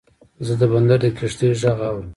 زه د بندر د کښتۍ غږ اورم.